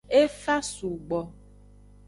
E fa sugbo.